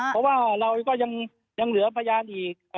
เพราะว่าเราก็ยังเหลือพยานอีก